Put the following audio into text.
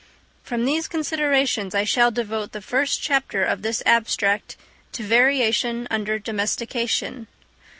From these considerations, I shall devote the first chapter of this abstract to variation under domestication.